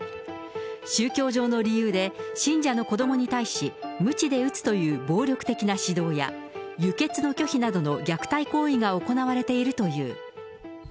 宗教上の理由で、信者の子どもに対し、むちで打つという暴力的な指導や、輸血の拒否などの虐待行為が行われているという。